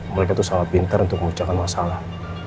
mereka tuh sangat pinter untuk mengucapkan masalah